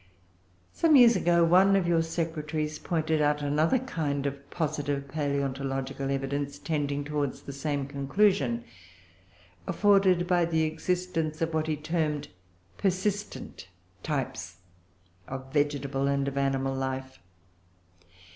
Some years ago one of your Secretaries pointed out another kind of positive palaeontological evidence tending towards the same conclusion afforded by the existence of what he termed "persistent types" of vegetable and of animal life.